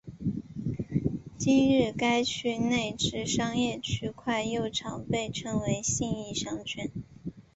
今日该区内之商业区块又常被称为信义商圈。